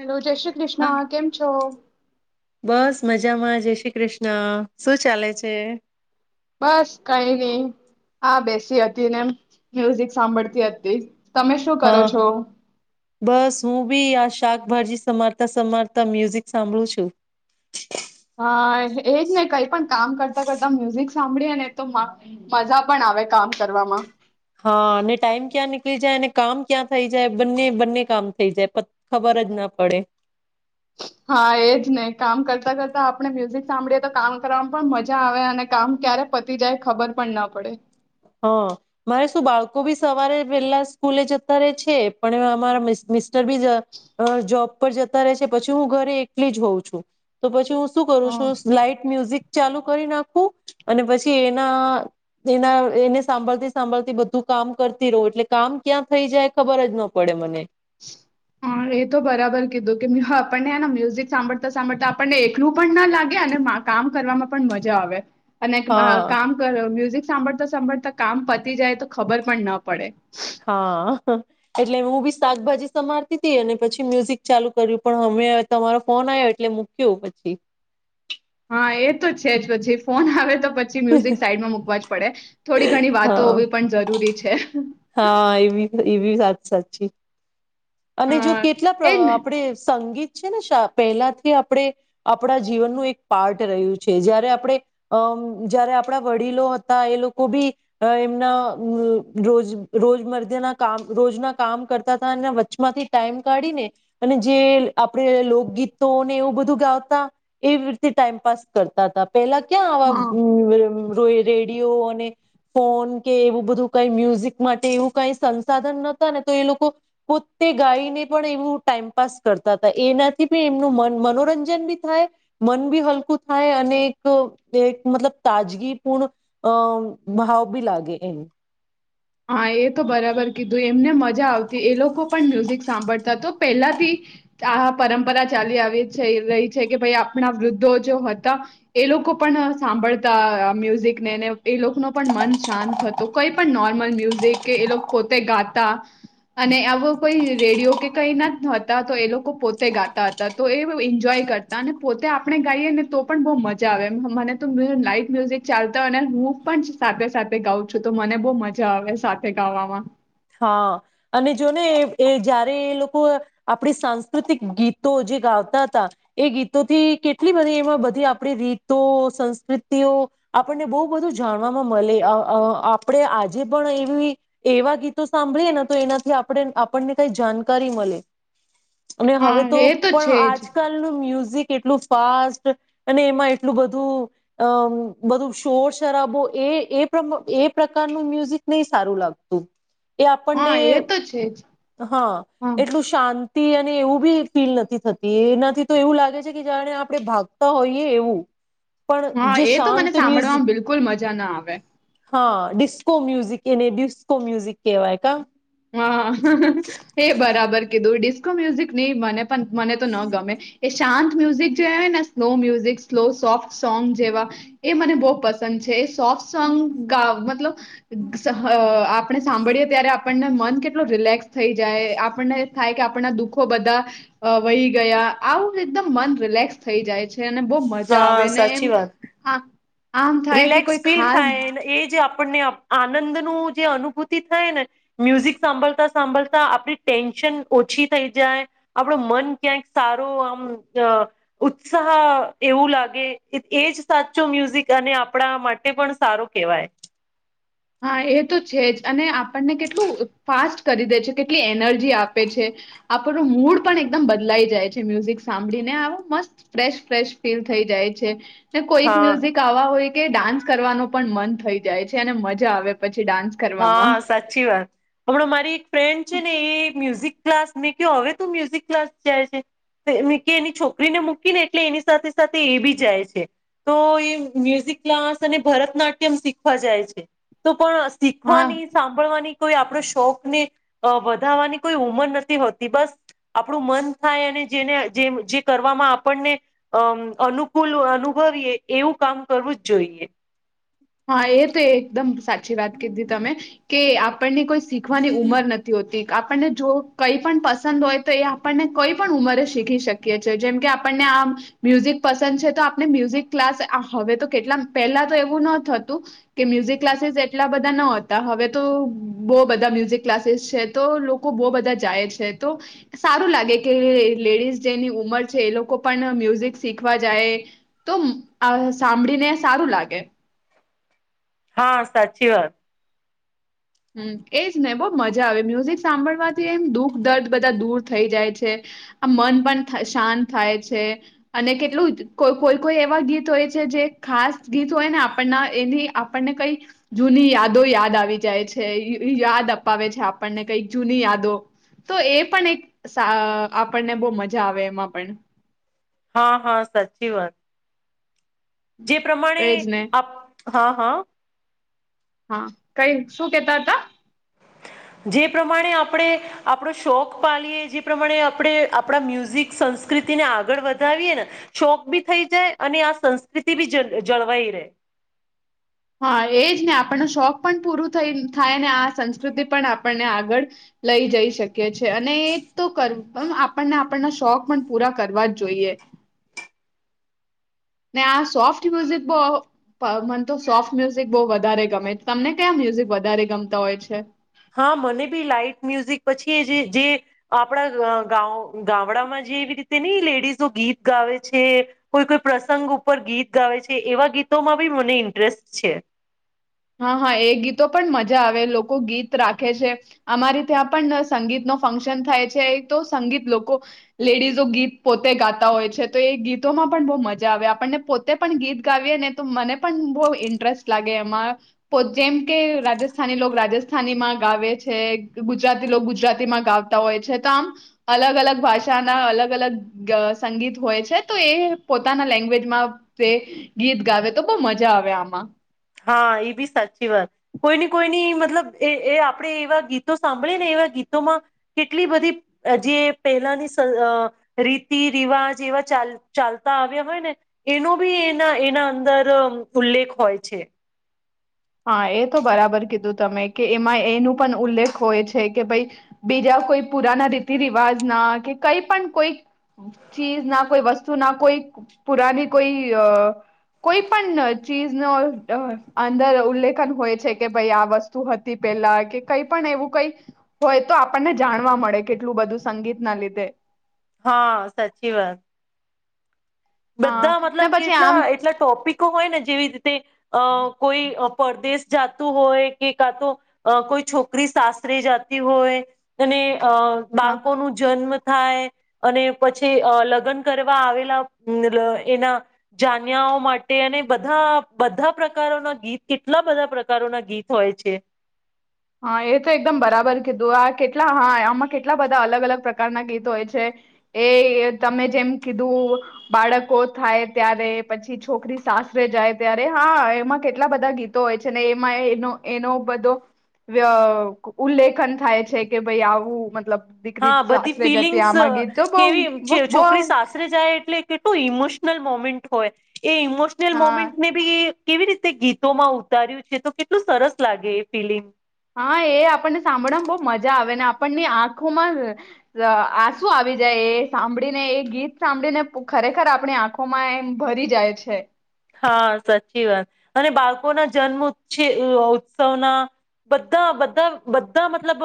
[inaudible] જય શ્રી હા કૃષ્ણ કેમ છો? બસ મજામાં જય શ્રી કૃષ્ણ. શું ચાલે છે? બસ કઈ નહીં આ બેસી હતી ને મ્યુઝિક સાંભળતી હતી. તમે શું કરો હા છો? બસ હું બી આ શાકભાજી સમારતા સમારતા મ્યુઝિક સાંભળું છું. હા એજ ને કઈ પણ કામ કરતા કરતા મ્યુઝિક સાંભળીએ ને તો મજા પણ આવે કામ કરવામાં. હા ને ટાઈમ ક્યાં નીકળી જાય અને કામ ક્યાં થઈ જાય. બંને બંને કામ થઈ જાય ખબર જ ન પડે. હા એજ ને કામ કરતા કરતા આપણે મ્યુઝિક સાંભળીએ તો કામ કરવામાં પણ મજા આવે. અને કામ ક્યારે પતી જાય ખબર પણ ન પડે. હહ મારે શું બાળકો બી સવારે વેલા સ્કૂલે જતા રે છે. પણ અમારા મી મિસ્ટર બી અ જોબ પર જતા રે છે. પછી હું ઘરે એકલી જ હોઉં છું. તો પછી હું શું કરું હ છું લાઇટ મ્યુઝિક ચાલુ કરી નાખું અને પછી એના એના એને સાંભળતી સાંભળતી બધું કામ કરતી રહું એટલે કામ ક્યાં થઈ જાય ખબર જ ન પડે મને હા એ તો બરાબર કીધું કે આપણને મ્યુઝિક સાંભળતા સાંભળતા આપણને એકલું પણ ન લાગે અને કામ કરવામાં પણ મજા આવે. અને એક હા કામ કર મ્યુઝિક સાંભળતા સાંભળતા કામ પતી જાય તો ખબર પણ ન પડે. હા એટલે હું બી શાકભાજી સમારતી તી. અને પછી મ્યુઝિક ચાલુ કર્યું પણ અમે તમારો ફોન આવ્યો એટલે મૂક્યો પછી હા એ તો છે જ પછી ફોન આવે તો પછી મ્યુઝિક સાઈડમાં મૂકવા જ પડે. થોડી ઘણી વાતો હા હોવી પણ જરૂરી છે. હા ઈબી ઈબી વાત સાચી અને જો હ કેટલા એજ પણ ને આપણે સંગીત છે ને શા પહેલાથી આપણેે આપણા જીવનનું એક પાર્ટ રહ્યું છે. જયારે આપણેે અ જયારે આપડા વડીલો હતા એ લોકો બી એમના રોજ રોજ મરધ્યના કામ રોજના કામ કરતા તા ને વચ્ચ માંથી ટાઈમ કાઢીને અને જે આપણે લોકગીતોને એવું બધું ગાતા એવી રીતે ટાઈમપાસ કરતા તા પેલા ક્યાં હા આવા રોય રેડિયો અને ફોન કે એવું બધું કઈ મ્યુઝિક માટે એવું કઈ સંસાધન નતા ને તો એ લોકો પો તે ગાઈને પણ એવું ટાઈમપાસ કરતા તા. એનાથી બી એમનું મન મનોરંજન બી થાય મન બી હલકું થાય અને એક એક મતલબ તાજગીપૂર્ણ અ ભાવ બી લાગે એમ. હા એ તો બરાબર કીધું એમને મજા મજા આવતી એ લોકો પણ મ્યુઝિક સાંભળતા તો પહેલાથી આ પરંપરા ચાલી આવી રહી છે. કે ભાઈ આપણા વૃદ્ધોજો હતા એ લોકો પણ સાંભળતા મ્યુઝિક નેને એ લોકોનો પણ મન શાંત થતો. કઈ પણ નો મ્યુઝિક કે એ લોકો પોતે ગાતા અને આવો કોઈ રેડિયો કે કઈ ના હતા તો એ લોકો પોતે ગાતા હતા. તો એ એન્જોય કરતા અને પોતે આપણે ગાઈએ ને તો પણ બહુ મજા આવે. મને તો લાઈવ મ્યુઝિક ચાલતા અને હું પણ સાથે સાથે ગાઉ છું. તો મને બહુ મજા જા આવે સાથે ગાવામાં હા અને જો ને એ જયારે એ લોકો આપણી સાંસ્કૃતિક ગીતો જે ગાવતા હતા. એ ગીતોથી કેટલી બધી એમાં બધી આપણી રીતો, સંસ્કૃતિઓ આપણને બહુ બધું જાણવામાં મલે આપણે આજે પણ એવી એવા ગીત તો સાંભળીએે ને તો એનાથી આપણે આપણને કઈ જાનકારી મલે. અને હા હવે તો એ પણ છે જ આજકાલનું મ્યુઝ ઝીક એટલું ફાસ્ટ અને એમાં એટલું બધું અ બધું શોર શરાબો એ એ પ્રકારનું મ્યુઝિક નહીં સારું લાગતું. એ હા આપણને એ તો છે જ હા એટલું શાંત તે અને એવું બી ફીલ નથી થતી એનાથી તો એવું લાગે છે કે જાણે આપણે ભાગતા હોઈએ એવું. પણ હા જે એ તો શાંત મને મ્યુઝિક સાંભળવામાં બિલકુલ મજા ના આવે. હા ડિસ્કો મ્યુઝિક એને ડિસ્કો મ્યુઝિક કેવાય ક હા એ બરાબર કીધું, ડિસ્કો મ્યુઝિક ની મને પણ, મને તો ન ગમે. એ શાંત મુઝિક જે ને slow music, slow soft song જેવા એ મને બહુ પસંદ છે. એ સોફ્ટ સોંગ ગા અ મતલબ આપણે સાંભળીએ ત્યારે આપણને મન કેટલું રિલેક્સ થઈ જાય. આપણને થાય કે આપણના દુઃખો બધા વહી ગયા. આવું એકદમ મન રિલેક્સ થઈ જાય છે. અને બહુ મજા હા આવેને સાચી એમ વાત આ આમ થાય કે રિલેક્સ કોઈ ફીલ ખાસ થાયને એજ આપણને આનંદ નું જે અનુભૂતિ થાય ને મ્યુઝિક સાંભળતા સાંભળતા આપડી ટેન્શન ઓછી થઈ જાય. આપડો મન ક્યાંક સારો આમ અ ઉત્સાહ એવું લાગે. એજ સાચો મ્યુઝિક અને આપણા માટે પણ સારું કેવાય. હા એ તો છે જ. અને આપણને કેટલું ફાસ્ટ કરી દે છે. કેટલી એનર્જી આપે છે. આપણનો મૂડ પણ એકદમ બદલાઈ જાય છે. મ્યુઝિક સાંભળીને આવો મસ્ત ફ્રેશ, ફ્રેશ ફીલ થઈ જાય છે. ને કોઈક હા મ્યુઝિક આવા હોય કે ડાન્સ કરવાનો પણ મન થઈ જાય છે, અને મજા જા આવે પછી ડાન્સ કરવામાં હા સાચી વાત. હમણાં મારી એક ફ્રેન્ડ છે ને એ મ્યુઝિક ક્લાસ ની કે હવે તો મ્યુઝિક ક્લાસ જાય છે. એની છોકરીને મૂકીને, એટલે એની સાથે સાથે એ બી જાય છે. તો એ મ્યુઝિક ક્લાસ અને ભરતનાટ્યમ શીખવા જાય છે. તો પણ હા શીખવાની, સાંભળવાની. કોઈ આપણ શોખ ને અ વધાવાની કોઈ ઉમર નથી હોતી. બસ આપણું મન થાય અને જેને જે જે કરવામાં આપણને અમ અનુકૂલ અનુભવીયએ એવું કામ કરવું જ જોઈએ. હા એ તો એકદમ સાચી વાત કીધી તમે. કે આપણને કોઈ શીખવાની ઉંમર નથી હોતી. આપણને જો કઈ પણ પસંદ હોય તો એ આપણને કઈ પણ ઉંમરે શીખી શકીએ છે. જેમ કે આપણને આ મ્યુઝિક પસંદ છે તો આપને મ્યુઝિક ક્લાસ હવે તો કેટલા પહેલા તો એવું ન થતું કે મ્યુઝિક ક્લાસીસ એટલા બધા ન હતા. હવે તો બો બધા મ્યુઝિક ક્લાસીસ છે. તો લોકો બો બધા જાય છે તો સારું લાગે કે લેડીઝ જેની ઉમર છે. એ લોકો પણ મ્યુઝિક શીખવા જાય તો સાંભળીને સારું લાગે. હા સાચી વાત. હ એજ ને બહુ મજા આવે. મ્યુઝિક સાંભળવાથી એમ દુઃખ દર્દ બધા દૂર થઈ જાય છે. આમ મન પણ શાંત થાય છે. અને કેટલું કોઈ કોઈ એવા ગીત હોય છે. જે ખાસ ગીત હોય ને આપણના એની આપણને કઈ જૂની યાદો યાદ આવી જાય છે. યાદ અપાવે છે આપણને કઈક જૂની યાદો તો એ પણ એક સા આપણને બહ મજા આવે એમાં પણ. હા હા સાચી વાત. જે પ્રમાણે એજ ને આપ હા હા. હા કઈ શું કેતા હતા? જે પ્રમાણે આપણે આપણો શોખ પાલીએ જે પ્રમાણે આપણે આપણા મ્યુઝિક સંસ્કૃતિને આગળ વધાવીએ ને શોખ બી થઈ જાય અને આ સંસ્કૃતિ બી જ જળવાઈ રે. હા એ જ ને આપણનો શોખ પણ પૂર થ થાય. ને આ સંસ્કૃતિ પણ આપણને આગળ લઈ જઈ શકે. છે અને એકતો પણ આપણને આપણના શોખ પણ પૂરા કરવા જ જોઈએ. ને આ સોફ્ટ મ્યુઝિક બો મને તો સોફ્ટ મ્યુઝિક બો વધારે ગમે. તમને કયા મ્યુઝિક વધારે ગમતા હોય છે? હા મને બી લાાઈટ મ્યુઝિક પછી જે જે આપણા ગાવ ગામડામાં જે એવી રીતે ને લેડીઝો ગીત ગાવે છે. કોઈ કોઈ પ્રસંગ ઉપર ગીત ગાવે છે. એવા ગીતોમાં બી મને ઇન્ટરેસ્ટ છે. હા હા એ ગીતો પણ મજા આવે. લોકો ગીત રાખે છે. અમારે ત્યાં પણ સંગીત નો ફંક્શન થાય છે. તો સંગીત લોકો લેડીઝો ગીત પોતે ગાતા હોય છે. તો એ ગીતોમાં પણ બો મજા આવે આપણને પોતે પણ ગીત ગાવીએ ને તો મને પણ બહુ ઇન્ટરેસ્ટ લાગે એમાં. પો જેમ કે રાજસ્થાની લો રાજસ્થાનીમાં ગાવે છે. ગુજરાતી લો ગુજરાતીમાં ગાવતા હોય છે. તો આમ અલગ અલગ ભાષાના અલગ અલગ સંગીત હોય છે. તો એ પોતાના લેંગ્વેજમાં તે ગીત ગાવે તો બહુ મજા આવે આમાં. હા એ બી સાચી વાત. કોઈને કોઈની મતલબ એ એ આપણે એવા ગીતો સાંભળીએ ને એવા ગીતોમાં કેટલી બધી જે પહેલાની રીતિ રિવાજ એવા ચ ચાલતા આવ્યા હોય ને એનો બી એના એના અંદર ઉલ્લેખ હોય છે. હા એ તો બરાબર કીધું તમે. કે એમાં એનું પણ ઉલ્લેખ હોય છે. કે ભાઈ બીજા કોઈ પુરાના રીતિ રિવાજ ના કે કઈ પણ કોઈ ચીજ ના કોઈ વસ્તુ ના કોઈ પુરાની કોઈ કોઈ પણ ચીજનો અંદર. ઉલ્લેખન હોય છે કે ભાઈ આ વસ્તુ હતી પેલા કે કઈ પણ એવું કઈ હોય તો આપણને જાણવા મળે. કેટલું બધું સંગીત ના લીધે. હા સાચી વાત હા બધા મતલબ ને પછી કેટલા આમ એટલા ટોપિક હોય ને જેવી રીતે અ કોઈ પરદેશ જતું હોય કે કા તો કોઈ છોકરી સાસરે જાતી હોય અને અ હા બાળકો નું જન્મ થાય અને પછી લગ્ન કરવા આવેલા એના જાન્યાઓ માટે અને બધા બધા પ્રકારોના ગીત કેટલા બધા પ્રકારોના ગીત હોય છે. હા એ તો એકદમ બરાબર કીધું આ કેટલા હા આમાં કેટલા બધા અલગ અલગ પ્રકારના ગીતો હોય છે એ તમે જેમ કીધું બાળકો થાય ત્યારે પછી છોકરી સાસરે જાય ત્યારે હા એમાં કેટલા બધા ગીતો હોય છે ને એમાં એનો એનો બધો ઉલ્લેખન થાય છે કે ભાઈ આવું મતલબ દીકરી હા બધી સાસરે જતી ફિલિંગ્સ આમાં ગીત તો બહુ બહુ કેવી બહુ, છોકરી સાસરે જાય એટલે કેટલું ઇમોશનલ મોમેન્ટ હોય. એ ઇમોશનાલ હા મોમેન્ટ ને બી કેવી રીતે ગીતોમાં ઉતાર્યું છે તો કેટલું સરસ લાગે એ ફિલિમ હા એ આપણને સાંભળવા બહુ મજા આવે ને આપણની આંખોમાં આંસુ આવી જાય એ સાંભળીને એ ગીત સાંભળીને ખરેખર આપણી આંખોમાં એમ ભરી જાય છે. હા સાચી વાત અને બાળકોના જન્મ છે ઉત્સવના બધા બધા-બધા મતલબ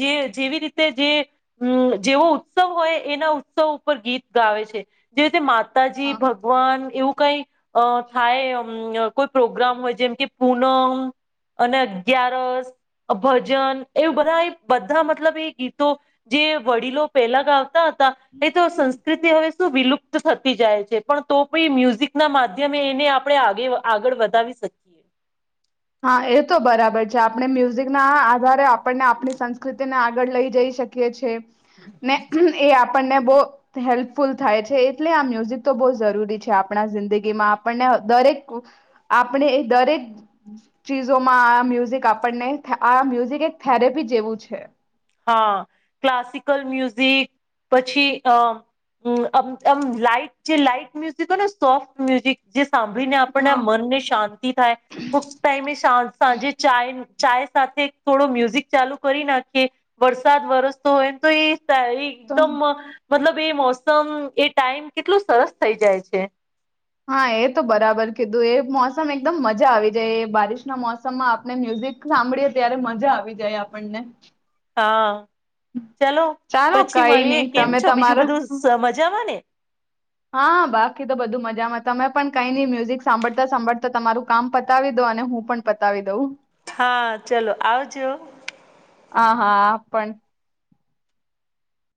જેવી રીતે જેમ જેવો ઉત્સવ હોય એના ઉત્સવ ઉપર ગીત ગાવે છે જે રીતે માતાજી હા ભગવાન એવું કઈ અ થાયમ કોઈ પ્રોગ્રામ હોય જેમ કે પૂનમ અને અગિયારસ ભજન એવું બધા એ બધા મતલબ એ ગીતો જે વડીલો પહેલા ગાતા હતા એ તો સંસ્કૃતિ હવે વિલુપ્ત થતી જાય છે પણ તો મ્યુઝિક ના માધ્યમ અમે એને આપણે આગ આગળ વધાવી શકીએ. હા એ તો બરાબર છે આપણે મ્યુઝિકના આધારે આપણને આપણી સંસ્કૃતિને આગળ લઈ જઈ શકીએ છે ને એ આપણને બહુ હેલ્પફુલ થાય છે એટલે આ મ્યુઝિક તો બહુ જરૂરી છે આપણા જિંદગીમાં આપણને દરેક આપણે દરેક આમ ચીજોમાં આ મ્યુઝિક આપણને આ મ્યુઝિક એક થેરેપી જેવું છે. હા ક્લાસિકલ મ્યુઝિક પછી અ આમ લાઈટ જે લાઈટ મ્યુઝિક હોય ને સોફ્ટ મ્યુઝિક જે સાંભળીને આપના હા મનને શાંતિ થાય કોક ટાઈમે સાંજે ચાય ચાય સાથે થોડો મ્યુઝિક ચાલુ કરી નાખીએ વરસાદ વરસતો હોય ને તો એ સહી તો મહ મતલબ એ મોસમ એ ટાઈમ કેટલું સરસ થઈ જાય છે. હા એ તો બરાબર કીધું એ મોસમ એકદમ મજા આવી જાય એ બારિશના મોસમમાં આપને મ્યુઝિક સાંભળીએ ત્યારે મજા આવી જાય આપણને હા ચલો ચાલો પછી કઈ મળીએ નહી કેમ તમે છો તમાર બીજું બધું મજાવા ને હા બાકી તો બધું મજામાં તમે પણ કઈ નહી મ્યુઝિક સાંભળતા-સાંભળતા તમારું કામ પતાવી દો અને હું પણ પતાવી દઉં. હા ચલો આવજો. હા-હા પણ